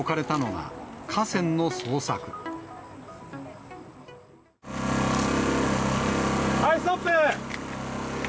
はい、ストップ！